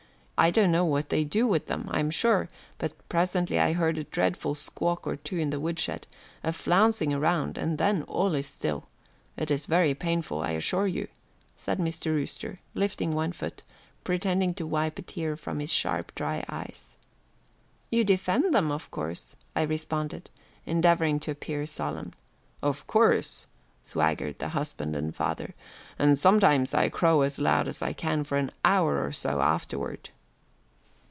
I don't know what they do with them, I am sure, but presently I hear a dreadful squawk or two in the woodshed, a flouncing around, and then all is still. It is very painful, I assure you," and Mr. Rooster, lifting one foot, pretended to wipe a tear from his sharp, dry eyes. "You defend them, of course," I responded, endeavoring to appear solemn. "Of course," swaggered the husband and father, "and sometimes I crow as loud as I can for an hour or so afterward."